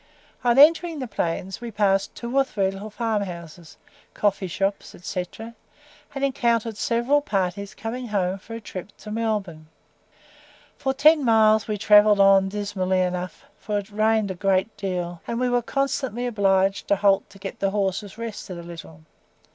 On entering the plains we passed two or three little farm houses, coffee shops, &c., and encountered several parties coming home for a trip to Melbourne. For ten miles we travelled on dismally enough, for it rained a great deal, and we were constantly obliged to halt to get the horses rested a little.